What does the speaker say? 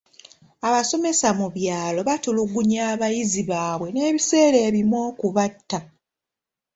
Abasomesa mu byalo batulugunya abayizi baabwe n'ebiseera ebimu okubatta.